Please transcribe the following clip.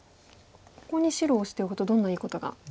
ここに白オシていくとどんないいことが。